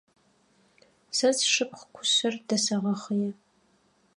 Сэ сшыпхъу кушъэр дэсэгъэхъые.